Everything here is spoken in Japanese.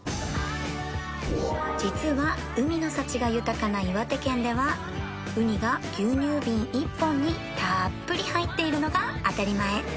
実は海の幸が豊かな岩手県ではウニが牛乳瓶１本にたっぷり入っているのが当たり前